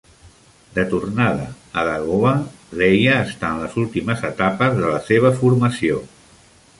De tornada a Dagobah, Leia està en les últimes etapes de la seva formació.